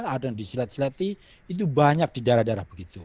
ada yang disilet sileti itu banyak di daerah daerah begitu